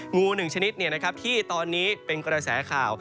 งูหนึ่งชนิดที่ตอนนี้เป็นกระแสข่าว